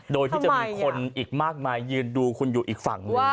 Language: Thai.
โดยที่จะมีคนอีกมากมายยืนดูคุณอยู่อีกฝั่งหนึ่ง